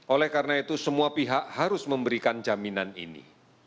oleh karena itu semua pihak harus memberikan jaminan ini